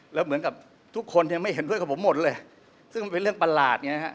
แล้วเหมือนกับทุกคนยังไม่เห็นเพื่อนกับผมหมดเลยซึ่งมันเป็นเรื่องประหลาดไงฮะ